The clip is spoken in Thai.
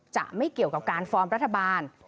จะไม่เกี่ยวกับการฟอร์มรัฐบาล